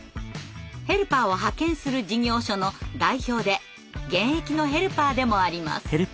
ヘルパーを派遣する事業所の代表で現役のヘルパーでもあります。